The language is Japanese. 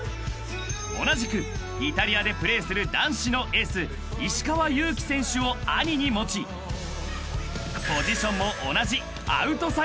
［同じくイタリアでプレーする男子のエース石川祐希選手を兄に持ちポジションも］